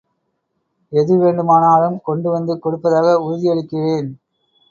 எது வேண்டுமானாலும் கொண்டு வந்து கொடுப்பதாக உறுதியளிக்கிறேன்.